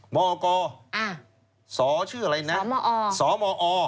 มกอ่ะสชื่ออะไรนะสมอสมอ